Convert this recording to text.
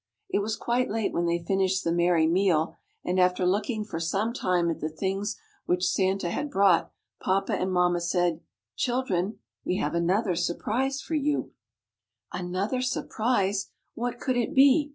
It was quite late when they finished the merry meal, and after looking for some time at the things which Santa had brought, papa and mamma said: "Children, we have another surprise for you now." Another surprise! What could it be?